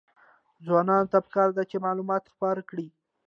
ځوانانو ته پکار ده چې، معلومات خپاره کړي.